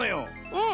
うん。